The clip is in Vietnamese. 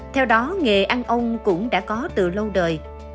theo đó nghề ăn ông cũng đã có từ lâu đời